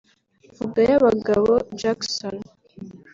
Vugayabagabo Jackson